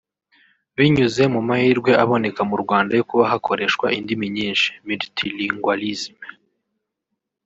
Binyuze mu mahirwe aboneka mu Rwanda yo kuba hakoreshwa indimi nyinshi (multi-lingualism)